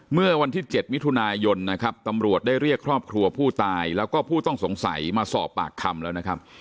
เมื่อวันที่๗มิถุนายนตำรวจได้เรียกครอบครัวผู้ตายและผู้ต้องสงสัยมาสอบปากคำแล้ว